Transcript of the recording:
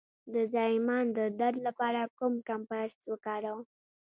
د زایمان د درد لپاره کوم کمپرس وکاروم؟